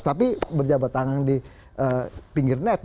tapi berjabat tangan di pinggir net